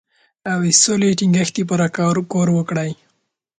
د سولې د ټینګښت لپاره کار وکړئ.